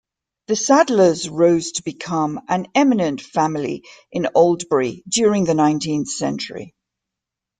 The Sadlers rose to become an eminent family in Oldbury during the nineteenth century.